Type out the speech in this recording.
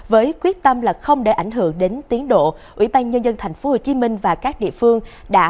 với quyết tâm là không để ảnh hưởng đến tiến độ ủy ban nhân dân tp hcm và các địa phương đã